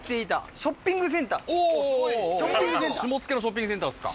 お下野のショッピングセンターですか。